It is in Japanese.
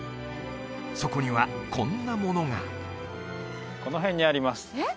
そこにはこんなものがこの辺にありますえっ？